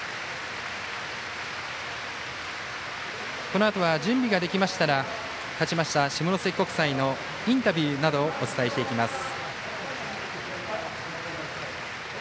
このあとは準備ができましたら勝ちました下関国際のインタビューなどをお伝えしていきます。